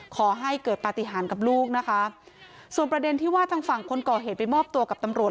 ขอให้เกิดปฏิหารกับลูกนะคะส่วนประเด็นที่ว่าทางฝั่งคนก่อเหตุไปมอบตัวกับตำรวจ